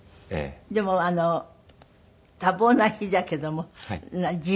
でも多忙な日だけども自炊するんで。